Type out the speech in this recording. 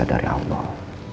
kecuali apa pak